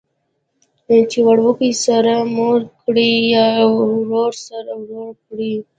چې وړوکي سره مور کړي یا له ورور سره ورور کړي.